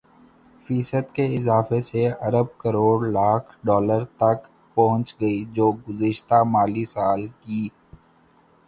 فیصد کے اضافے سے ارب کروڑ لاکھ ڈالر تک پہنچ گئی جو گزشتہ مالی سال کی